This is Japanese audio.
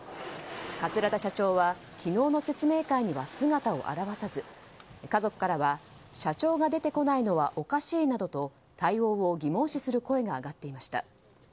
桂田社長は昨日の説明会には姿を現さず家族からは社長が出てこないのはおかしいなどと対応を疑問視する声が上がっていました。